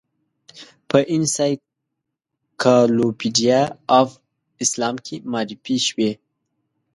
په انسایکلوپیډیا آف اسلام کې معرفي شوې.